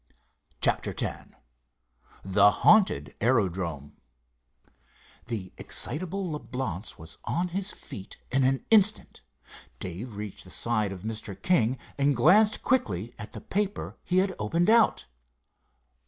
CHAPTER X THE HAUNTED AERODROME The excitable Leblance was on his feet in an instant. Dave reached the side of Mr. King and glanced quickly at the paper he had opened out.